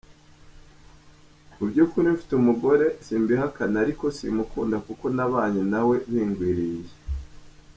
"Mubyukuri mfite umugore simbihakana ariko simukunda kuko nabanye na we bingwiririye.